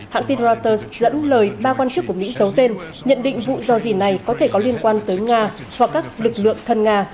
hãng tin reuters dẫn lời ba quan chức của mỹ giấu tên nhận định vụ do gì này có thể có liên quan tới nga hoặc các lực lượng thân nga